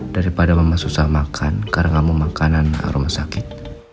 daripada mama susah makan karena gak mau makanan rumah sakit